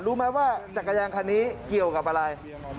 รู้ไหมว่าจักรยานคันนี้เกี่ยวกับอะไร